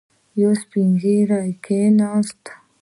يو سپين ږيری کېناست.